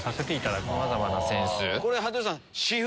これ羽鳥さん。